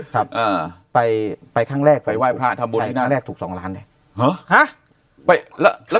ครับไปค่างแรกถูกสองล้านเลยฮะ